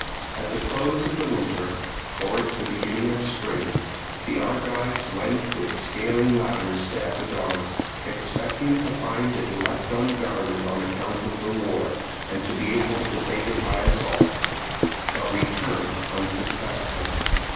At the close of the winter, towards the beginning of spring, the Argives went with scaling ladders to Epidaurus, expecting to find it left unguarded on account of the war and to be able to take it by assault, but returned unsuccessful.